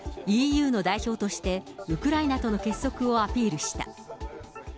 ＥＵの代表として、ウクライナとの結束をアピールした。